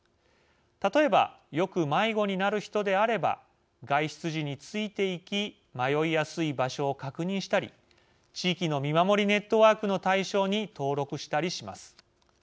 例えばよく迷子になる人であれば外出時についていき迷いやすい場所を確認したり地域の見守りネットワークの対象に登録したりします。